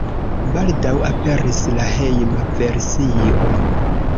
Baldaŭ aperis la hejma versio.